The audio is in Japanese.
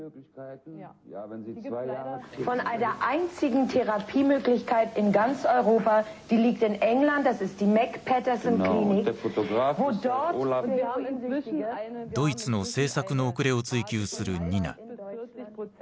討論のテーマはドイツの政策の遅れを追及するニナ。